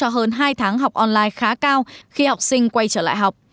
hơn hai tháng học online khá cao khi học sinh quay trở lại học